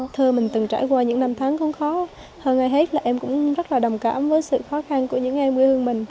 thưa mình từng trải qua những năm tháng khốn khó hơn ai hết là em cũng rất là đồng cảm với sự khó khăn của những em quê hương mình